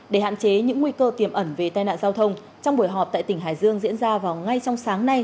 để hạn chế những nguy cơ tiềm ẩn về tai nạn giao thông trong buổi họp tại tỉnh hải dương diễn ra vào ngay trong sáng nay